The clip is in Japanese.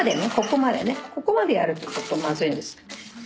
ここまでやるとちょっとまずいんですけど。